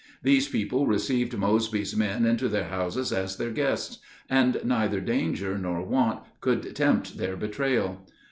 These people received Mosby's men into their houses as their guests, and neither danger nor want could tempt their betrayal.